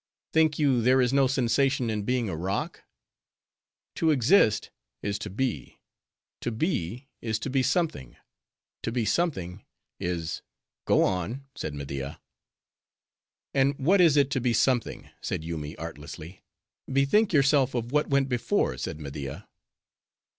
Think you there is no sensation in being a rock?—To exist, is to be; to be, is to be something: to be something, is—" "Go on," said Media. "And what is it, to be something?" said Yoomy artlessly. "Bethink yourself of what went before," said Media.